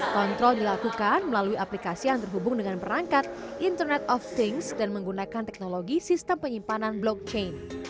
kontrol dilakukan melalui aplikasi yang terhubung dengan perangkat internet of things dan menggunakan teknologi sistem penyimpanan blockchain